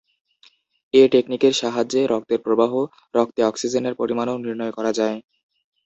এ টেকনিকের সাহায্যে রক্তের প্রবাহ, রক্তে অক্সিজেনের পরিমাণও নির্ণয় করা যায়।